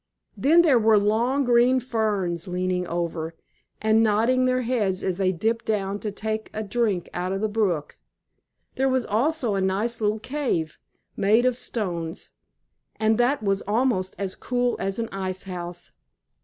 Then there were long, green ferns leaning over, and nodding their heads as they dipped down to take a drink out of the brook. There was also a nice little cave, made of stones, and that was almost as cool as an icehouse.